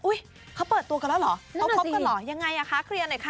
เขาเปิดตัวกันแล้วเหรอเขาคบกันเหรอยังไงอ่ะคะเคลียร์หน่อยค่ะ